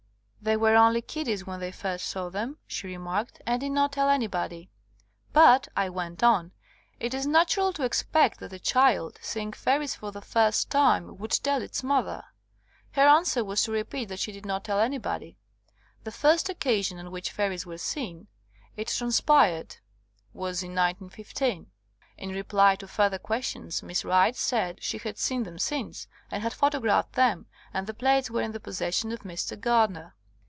They were only kiddies when they first saw them, she re marked, and did not tell anybody. "But," I went on, "it is natural to expect that a child, seeing fairies for the first time, would tell its mother." Her answer was to 68 RECEPTION OF THE FIRST PHOTOGRAPHS repeat that she did not tell anybody. The first occasion on which fairies were seen, it transpired, was in 1915. In reply to further questions. Miss Wright said she had seen them since, and had photographed them, and the plates were in the possession of Mr. Gardner.